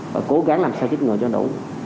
và cố gắng làm sao chích ngồi cho đủ